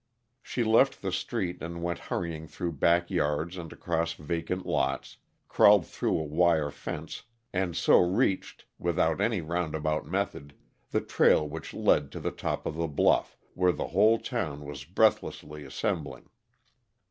She left the street and went hurrying through back yards and across vacant lots, crawled through a wire fence, and so reached, without any roundabout method, the trail which led to the top of the bluff, where the whole town was breathlessly assembling.